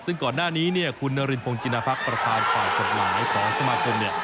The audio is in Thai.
ซึ่งก่อนหน้านี้คุณนรินพงษ์จีนภักดิ์ประภานภาพชบหลายของสมาคม